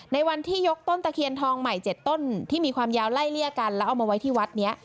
ในวันที่ยกต้นตะเคียนทองใหม่๗ต้นที่มีความยาวไล่เลี่ยกันแล้วเอามาไว้ที่วัดนี้